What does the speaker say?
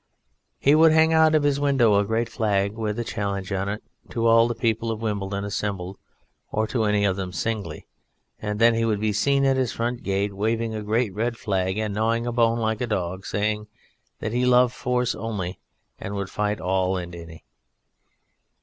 He would hang out of his window a great flag with a challenge on it "to all the people of Wimbledon assembled, or to any of them singly," and then he would be seen at his front gate waving a great red flag and gnawing a bone like a dog, saying that he loved Force only, and would fight all and any.